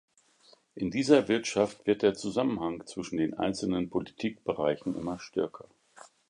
In dieser Wirtschaft wird der Zusammenhang zwischen den einzelnen Politikbereichen immer stärker.